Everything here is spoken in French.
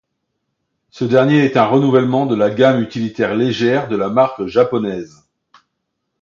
Ce dernier est un renouvellement de la gamme utilitaire légère de la marque japonaise.